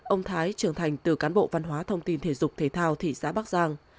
ông thái trưởng thành từ cán bộ văn hóa thông tin thể dục thể thao thị xã bắc giang